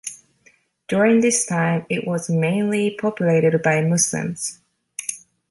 During this time, it was mainly populated by Muslims.